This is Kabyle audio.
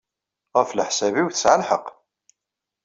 Ɣef leḥsab-inu, tesɛa lḥeqq.